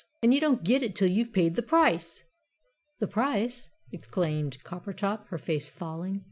"And you don't get it till you've paid the price!" "The price!" exclaimed Coppertop, her face falling.